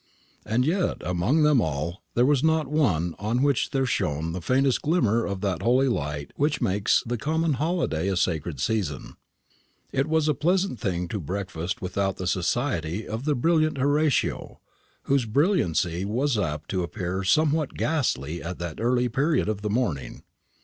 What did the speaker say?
And yet among them all there was not one on which there shone the faintest glimmer of that holy light which makes the common holiday a sacred season. It was a pleasant thing to breakfast without the society of the brilliant Horatio, whose brilliancy was apt to appear somewhat ghastly at that early period of the morning.